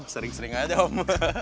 sering sering aja om